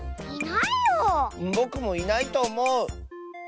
ぼくもいないとおもう。